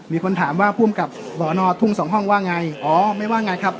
มีคนถามว่าภูมิกับสอนอทุ่งสองห้องว่าไงอ๋อไม่ว่าไงครับ